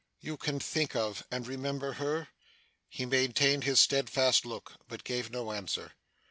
You can think of, and remember her?' He maintained his steadfast look, but gave no answer.